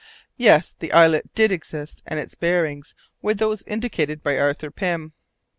Yes! the islet did exist, and its bearings were those indicated by Arthur Pym.